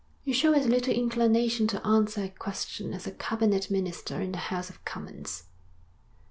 'You show as little inclination to answer a question as a cabinet minister in the House of Commons.'